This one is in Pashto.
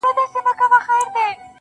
چي د ارواوو په نظر کي بند سي,